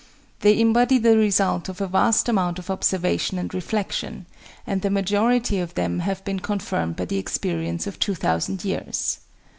They embody the result of a vast amount of observation and reflection, and the majority of them have been confirmed by the experience of two thousand years.